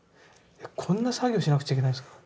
こんな作業しなくちゃいけないんですか？